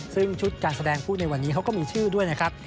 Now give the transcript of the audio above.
ซึ่งชุดการแสดงพูดในวันนี้เขาก็มีชื่อด้วยนะครับ